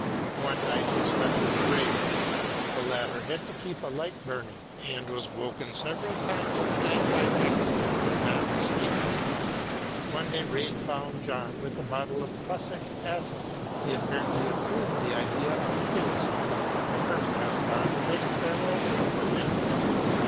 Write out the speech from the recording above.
One night he slept with Rejd. The latter had to keep a light burning and was woken several times in the night by John, who could not sleep. One day Rejd found John with a bottle of prussic acid. He apparently approved the idea of suicide, but first asked him to take a farewell drink with him.